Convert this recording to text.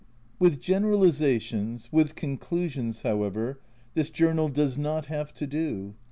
With generalisations, with conclusions, however, this journal does not have to do.